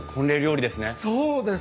そうです！